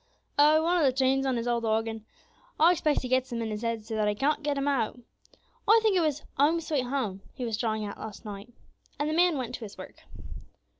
"Oh! one of the tunes on his old organ. I expect he gets them in his head so that he can't get them out. I think it was 'Home, sweet Home,' he was trying at last night;" and the man went to his work.